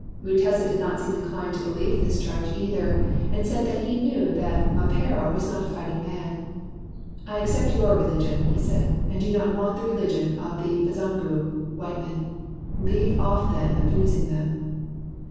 Mutesa did not seem inclined to believe this charge either, and said that he knew that Mapera was not a fighting man. "I accept your religion, '' he said, '' and do not want the religion of the Bazungu [white men]. Leave off then abusing them."